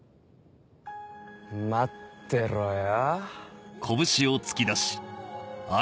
待ってろよ。